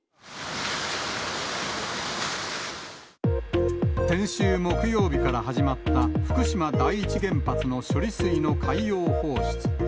一方、先週木曜日から始まった福島第一原発の処理水の海洋放出。